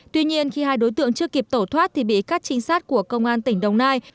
tuy nhiên khi hai đối tượng chưa kịp tổ thoát thì bị các trinh sát của công an tỉnh đồng nai